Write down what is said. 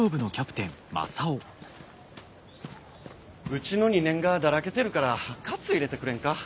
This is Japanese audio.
うちの２年がだらけてるから活入れてくれんか。